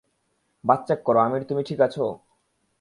বাস check করো, আমির, তুমি ঠিক আছ?